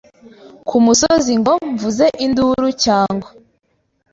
ku musozi ngo mvuze induru cyangwa